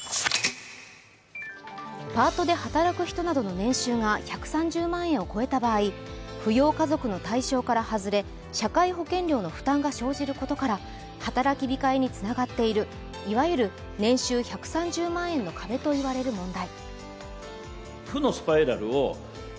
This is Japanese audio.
パートで働く人などの年収が１３０万円を超えた場合、扶養家族の対象から外れ社会保険料の負担が生じることから働き控えにつながっているいわゆる年収１３０万円の壁といわれる問題